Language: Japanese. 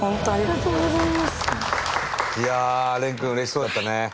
いやあ蓮君うれしそうだったね。